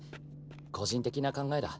個人的な考えだ。